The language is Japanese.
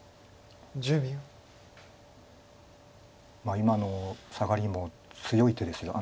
今のサガリも強い手です。